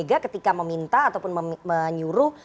bu megawati ketika meminta ataupun menyuruh